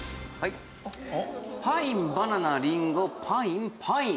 パインバナナりんごパインパイン。